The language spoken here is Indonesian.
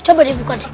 coba dibuka deh